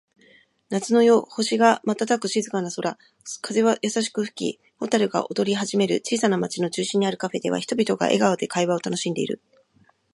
夏の夜、星が瞬く静かな空。風は優しく吹き、蛍が踊り始める。小さな町の中心にあるカフェでは、人々が笑顔で会話を楽しんでいる。